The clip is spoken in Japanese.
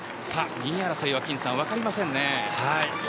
２位争いは、分かりませんね。